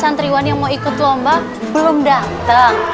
santriwan yang mau ikut lomba belum datang